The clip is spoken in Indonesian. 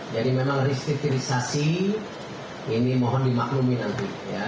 jadi memang restitusasi ini mohon dimaklumi nanti ya